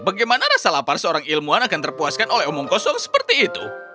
bagaimana rasa lapar seorang ilmuwan akan terpuaskan oleh omong kosong seperti itu